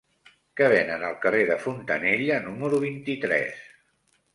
Què venen al carrer de Fontanella número vint-i-tres?